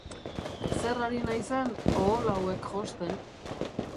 Zer ari naizen? Ohol hauek josten.